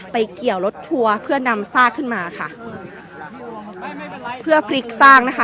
เกี่ยวรถทัวร์เพื่อนำซากขึ้นมาค่ะเพื่อพลิกซากนะคะ